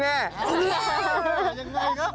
ไม่ได้อย่างไรก็